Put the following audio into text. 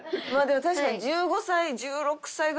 確かに。